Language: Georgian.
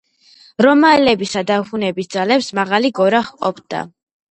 რომაელებისა და ჰუნების ძალებს მაღალი გორა ჰყოფდა.